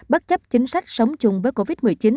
bất chấp chính sách sống chung với covid một mươi chín